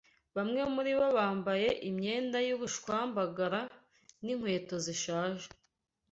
Bamwe muri bo bambaye imyenda y’ubushwambagara n’inkweto zishaje